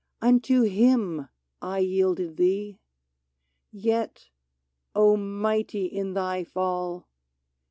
Unto him I yielded thee ! Yet — O mighty in thy fall